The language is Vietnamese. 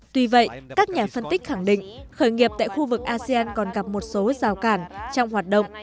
tuy vậy các nhà phân tích khẳng định khởi nghiệp tại khu vực asean còn gặp một số rào cản trong hoạt động